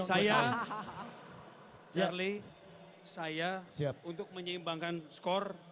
saya jerly saya untuk menyeimbangkan skor